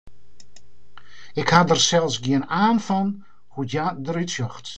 Ik ha der sels gjin aan fan hoe't hja derút sjocht.